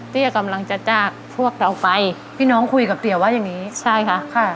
แรกกำลังจะจากพวกเราไปพี่น้องคุยกับแรกว่ายังงี้ใช่ค่ะ